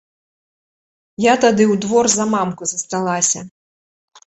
Я тады ў двор за мамку засталася.